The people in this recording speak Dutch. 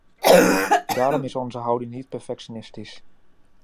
Daarom is onze houding niet protectionistisch.